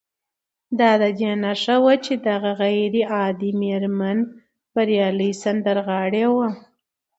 دا د دې نښه وه چې دغه غير عادي مېرمن بريالۍ سندرغاړې وه